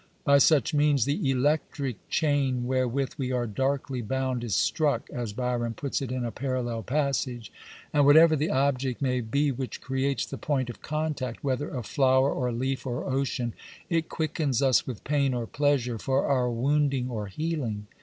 By such means " the electric chain wherewith we are darkly bound " is struck, as Byron puts it in a parallel passage, and whatever the object may be which creates the point of contact — whether of flower or leaf or ocean — it quickens us with pain or pleasure, for our wounding or healing.